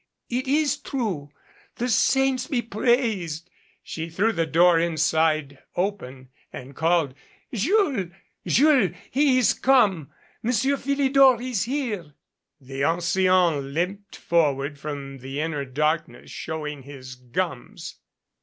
It is true. The saints be praised!" She threw the door inside open and called : "Jules ! Jules ! He is come. Monsieur Philidor is here !" The ancien limped forward from the inner darkness, showing his gums.